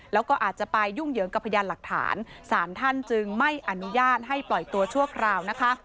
แล้วก็อาจจะไปยุ่งเหยิงกับพยานหลักฐานสารท่านจึงไม่อนุญาตให้ปล่อยตัวชั่วคราวนะคะ